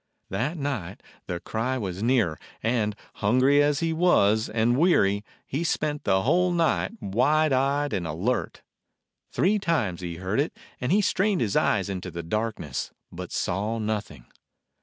That night the cry was nearer, and, hungry as he was and weary, he spent the whole night wide eyed and alert. Three times he heard it, and he strained his eyes into the darkness, but saw nothing.